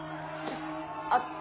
あっ！